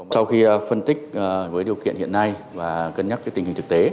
sau khi phân tích với điều kiện hiện nay và cân nhắc tình hình thực tế